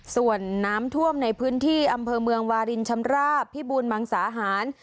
ส่วนน้ำท่วมในพื้นที่อำเภอเมืองวารินชำราบพิบูรมังสาหาร